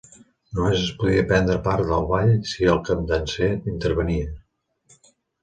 Només es podia prendre part del ball si el Capdanser intervenia.